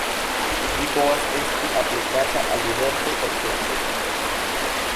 Ĝi povas esti aplikata al diversaj objektoj.